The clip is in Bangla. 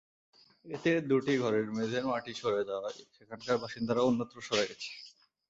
এতে দুটি ঘরের মেঝের মাটি সরে যাওয়ায় সেখানকার বাসিন্দারা অন্যত্র সরে গেছে।